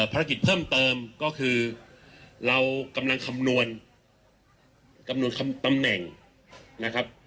ภารกิจเพิ่มเติมก็คือเรากำลังคำนวณคำนวณตำแหน่งนะครับ